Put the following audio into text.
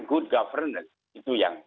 good governance itu yang